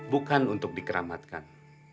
bukan untuk dikeramatkan